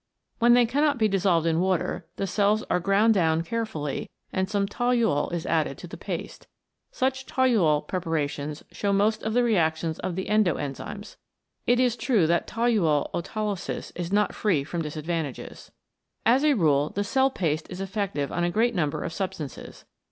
When they cannot be dissolved in water, the cells are ground down carefully and some toluol is added to the paste. Such toluol preparations show most of the reactions of the endo enzymes. It is true that toluol autolysis is not free from disadvantages. As a rule the cell paste is effective on a great number of substances.